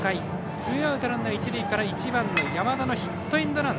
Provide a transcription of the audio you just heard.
ツーアウト、ランナー、一塁から１番、山田のヒットエンドラン。